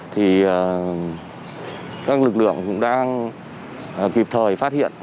thì các lực lượng cũng đang kịp thời phát hiện